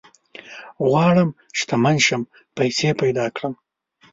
غواړم شتمن شم ، پيسي پيدا کړم